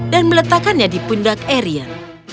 dan meletakkannya di pundak arion